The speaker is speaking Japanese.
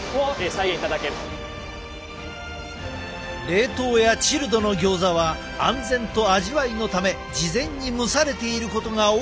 冷凍やチルドのギョーザは安全と味わいのため事前に蒸されていることが多く。